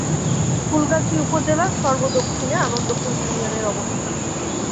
ফুলগাজী উপজেলার সর্ব-দক্ষিণে আনন্দপুর ইউনিয়নের অবস্থান।